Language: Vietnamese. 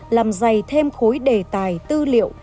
làm dày thêm khối đề tài tư liệu